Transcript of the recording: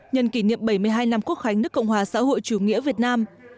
nhân kỷ niệm bảy mươi hai năm quốc khánh nước cộng hòa xã hội chủ nghĩa việt nam